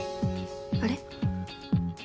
あれ？